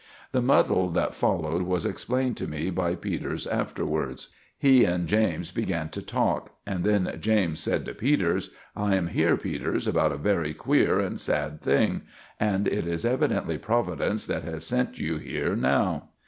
The muddle that followed was explained to me by Peters afterwards. Me and James began to talk; then James said to Peters, "I am here, Peters, about a very queer and sad thing, and it is evidently Providence that has sent you here now."